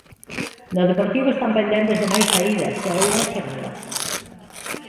No Deportivo están pendentes de máis saídas e algunha chegada.